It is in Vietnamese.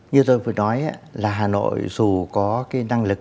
như tôi vừa nói là hà nội dù có cái năng lực